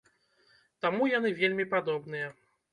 Таму яны вельмі падобныя.